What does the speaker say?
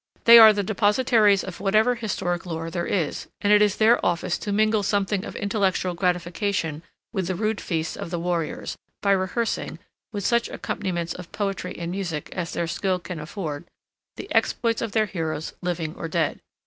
They are the depositaries of whatever historic lore there is, and it is their office to mingle something of intellectual gratification with the rude feasts of the warriors, by rehearsing, with such accompaniments of poetry and music as their skill can afford, the exploits of their heroes living or dead.